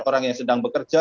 orang yang sedang bekerja